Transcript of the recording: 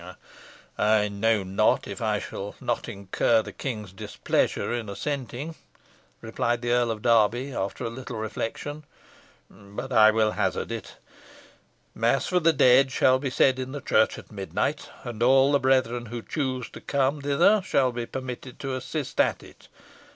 "I know not if I shall not incur the king's displeasure in assenting," replied the Earl of Derby, after a little reflection; "but I will hazard it. Mass for the dead shall be said in the church at midnight, and all the brethren who choose to come thither shall be permitted to assist at it.